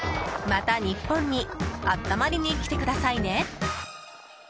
また日本に暖まりにきてくださいね！